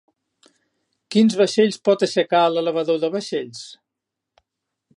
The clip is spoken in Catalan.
Quins vaixells pot aixecar l'elevador de vaixells?